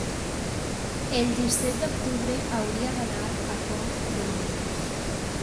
el disset d'octubre hauria d'anar a Pont de Molins.